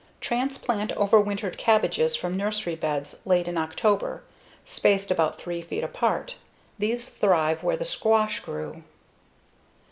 Transplant overwintered cabbages from nursery beds late in October, spaced about 3 feet apart; these thrive where the squash grew.